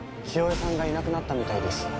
清江さんがいなくなったみたいです。